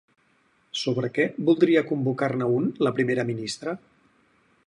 Sobre què voldria convocar-ne un la primera ministra?